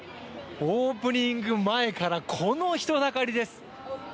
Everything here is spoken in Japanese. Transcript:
オープニング前からこの人だかりです。